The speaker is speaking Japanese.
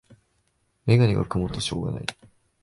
メガネがくもってしょうがない